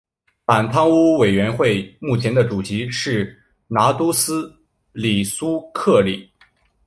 反贪污委员会目前的主席是拿督斯里苏克里。